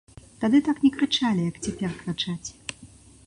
Тады так не крычалі, як цяпер крычаць.